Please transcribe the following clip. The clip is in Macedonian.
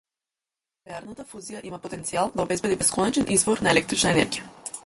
Нуклеарната фузија има потенцијал да обезбеди бесконечен извор на електрична енергија.